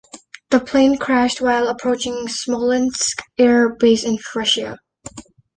The plane crashed while approaching Smolensk Air Base in Russia.